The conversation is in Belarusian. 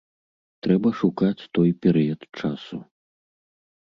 Трэба шукаць той перыяд часу.